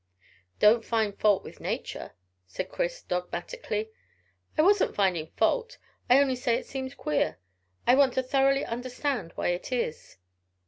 "Don't find fault with nature," said Chris dogmatically. "I wasn't finding fault. I only say it seems queer. I want to thoroughly understand why it is."